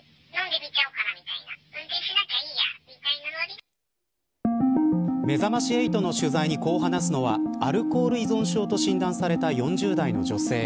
新「アタックＺＥＲＯ」めざまし８の取材にこう話すのはアルコール依存症と診断された４０代の女性。